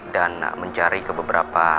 dan mencari ke beberapa